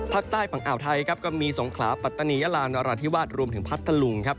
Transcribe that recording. ภาคใต้ฝั่งอ่าวไทยครับก็มีสงขลาปัตตานียาลานราธิวาสรวมถึงพัทธลุงครับ